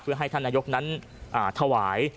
เพื่อให้ท่านนายกนั้นถวาย